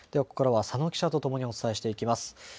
ここからは佐野記者とともにお伝えしていきます。